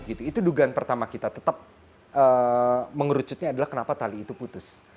itu dugaan pertama kita tetap mengerucutnya adalah kenapa tali itu putus